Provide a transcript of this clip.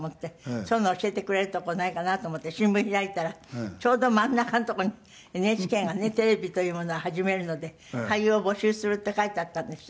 そういうの教えてくれるとこないかなと思って新聞開いたらちょうど真ん中のとこにＮＨＫがねテレビというものを始めるので俳優を募集するって書いてあったんですよ。